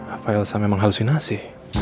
apa elsa memang halusinasi